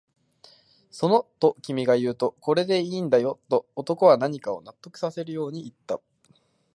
その、と君が言うと、これでいいんだよ、と男は何かを納得させるように言った